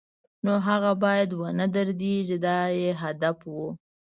نو هغه باید و نه دردېږي دا یې هدف و.